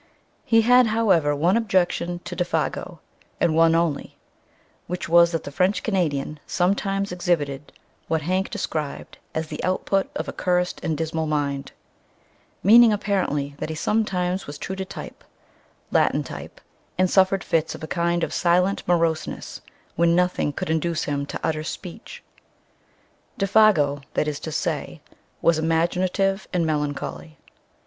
He had, however, one objection to Défago, and one only which was, that the French Canadian sometimes exhibited what Hank described as "the output of a cursed and dismal mind," meaning apparently that he sometimes was true to type, Latin type, and suffered fits of a kind of silent moroseness when nothing could induce him to utter speech. Défago, that is to say, was imaginative and melancholy.